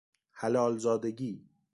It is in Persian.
حلال زادگی